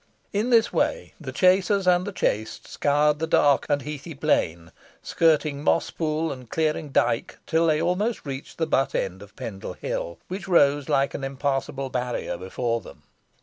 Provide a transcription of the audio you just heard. In this way the chasers and the chased scoured the dark and heathy plain, skirting moss pool and clearing dyke, till they almost reached the but end of Pendle Hill, which rose like an impassable barrier before them.